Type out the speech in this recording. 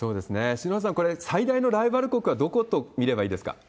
篠原さん、これ、最大のライバル国はどこと見ればいいですか？